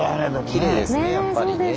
きれいですねやっぱりね。